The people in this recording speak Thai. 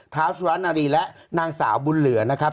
เท้าสุรรณารีและนางสาวบุญเหลือนะครับ